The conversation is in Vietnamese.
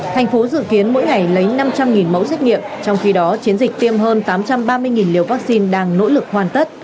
thành phố dự kiến mỗi ngày lấy năm trăm linh mẫu xét nghiệm trong khi đó chiến dịch tiêm hơn tám trăm ba mươi liều vaccine đang nỗ lực hoàn tất